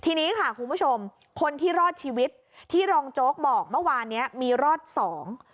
ทีนี้ค่ะคุณผู้ชมคนที่รอดชีวิตที่รองโจ๊กบอกเมื่อวานเนี้ยมีรอดสอง